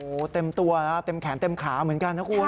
โอ้โหเต็มตัวนะเต็มแขนเต็มขาเหมือนกันนะคุณ